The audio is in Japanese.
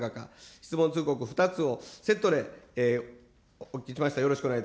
質問通告２つをセットでお聞きしました。